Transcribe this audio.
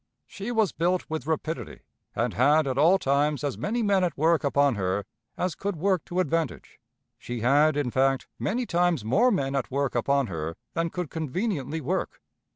She was built with rapidity, and had at all times as many men at work upon her as could work to advantage she had, in fact, many times more men at work upon her than could conveniently work.